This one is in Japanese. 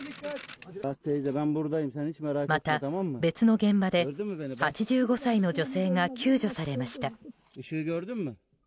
また、別の現場で８５歳の女性が救助されました。